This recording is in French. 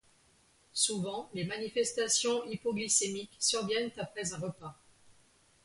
Souvent les manifestations hypoglycémiques surviennent après un repas.